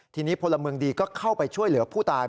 ทีนี้พลเมืองดีก็เข้าไปช่วยเหลือผู้ตาย